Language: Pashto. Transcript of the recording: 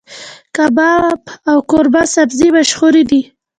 کباب او قورمه سبزي مشهور دي.